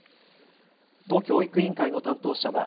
都教育委員会の担当者は